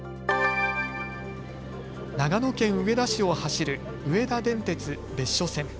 長野県上田市を走る上田電鉄別所線。